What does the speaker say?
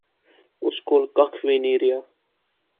اس کول ککھ وی نی رہیا